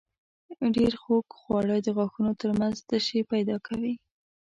ډېر خوږ خواړه د غاښونو تر منځ تشې پیدا کوي.